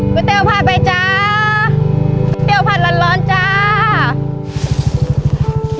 ก๋วยเตี้ยวผัดไปจ้าก๋วยเตี้ยวผัดร้อนจ้า